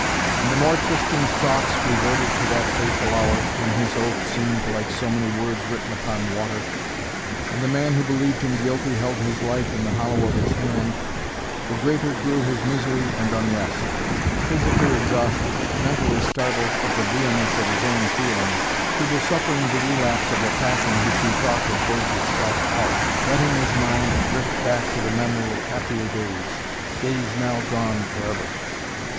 And the more Tristan's thoughts reverted to that fateful hour, when his oath seemed like so many words written upon water, and the man who believed him guilty held his life in the hollow of his hand, the greater grew his misery and unrest. Physically exhausted, mentally startled at the vehemence of his own feelings, he was suffering the relapse of a passion which he thought had burnt itself out, letting his mind drift back to the memory of happier days days now gone forever.